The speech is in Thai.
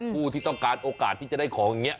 ผู้ที่ต้องการที่จะได้ของ